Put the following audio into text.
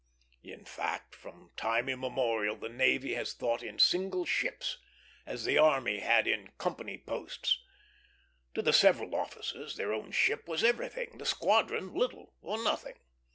In fact, from time immemorial the navy had thought in single ships, as the army had in company posts. To the several officers their own ship was everything, the squadron little or nothing.